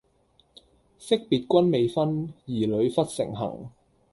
昔別君未婚，兒女忽成行。